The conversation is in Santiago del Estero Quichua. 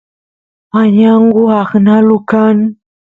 añangu aqnalu kan